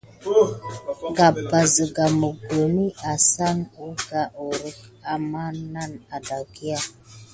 Gabba sikà mokoni asane wuke horike amà a nat aɗakiga.